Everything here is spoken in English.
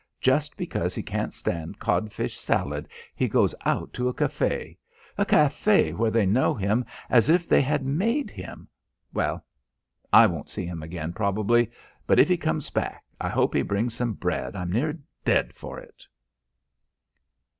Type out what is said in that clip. Just because he can't stand codfish salad he goes out to a café! A café where they know him as if they had made him!... Well.... I won't see him again, probably.... But if he comes back, I hope he brings some bread. I'm near dead for it."